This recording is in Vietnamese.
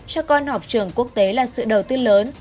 cho con học trường quốc tế là sự đầu tư lớn